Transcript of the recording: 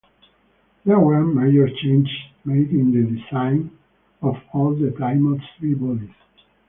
There were major changes made in the design of all the Plymouth B-bodies.